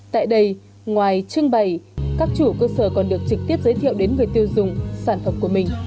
tại đây ngoài trưng bày các chủ cơ sở còn được trực tiếp giới thiệu đến người tiêu dùng sản phẩm của mình